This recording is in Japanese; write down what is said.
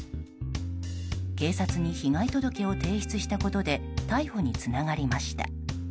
警察に被害届を提出したことで逮捕につながりました。